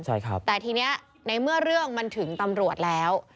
ใช่ครับแต่ทีนี้ในเมื่อเรื่องมันถึงตำรวจแล้ว